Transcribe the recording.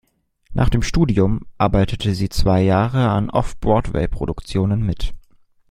Nach dem Studium arbeitete sie zwei Jahre an Off-Broadway-Produktionen mit.